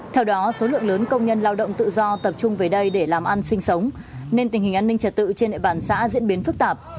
theo đó số lượng lớn công nhân lao động tự do tập trung về đây để làm ăn sinh sống nên tình hình an ninh trật tự trên địa bàn xã diễn biến phức tạp